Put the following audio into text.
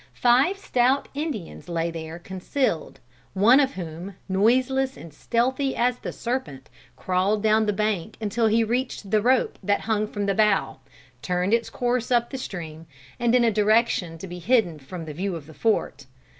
Five stout Indians lay there concealed, one of whom, noiseless and stealthy as the serpent, crawled down the bank until he reached the rope that hung from the bow, turned its course up the stream, and in a direction to be hidden from the view of the fort.